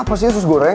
apa sih usus goreng